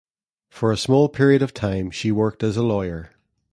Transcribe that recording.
For a small period of time she worked as a lawyer.